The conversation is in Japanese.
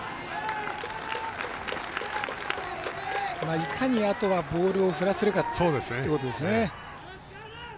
いかにあとはボールを振らせるかということですね。